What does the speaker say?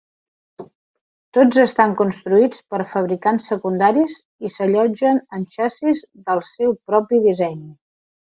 Tots estan construïts per fabricants secundaris i s'allotgen en xassís del seu propi disseny.